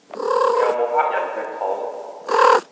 你有冇黑人血統